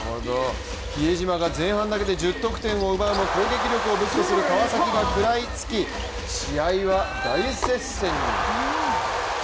比江島が前半だけで１０得点を奪うも攻撃力を武器とする川崎が食らいつき、試合は大接戦に。